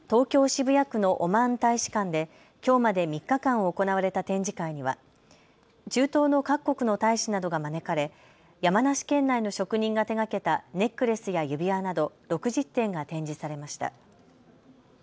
渋谷区のオマーン大使館できょうまで３日間行われた展示会には、中東の各国の大使などが招かれ山梨県内の職人が手がけたネックレスや指輪など６０点が展示されました。